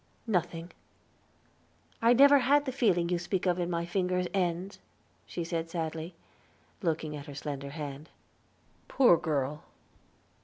"Nothing." "I never had the feeling you speak of in my finger ends," she said sadly, looking at her slender hand. "Poor girl!"